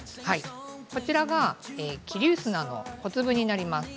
こちらが桐生砂の小粒になります。